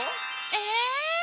え⁉